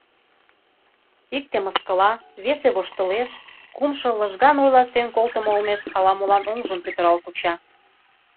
Икте мыскыла, весе воштылеш, кумшо лыжган ойласен колтымо олмеш ала-молан оҥжым пӱтырал куча.